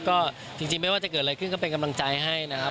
ก็จริงไม่ว่าจะเกิดอะไรขึ้นก็เป็นกำลังใจให้นะครับ